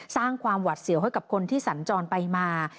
สร้างความหวัดเสียวให้กับคนที่สัญจรไปมา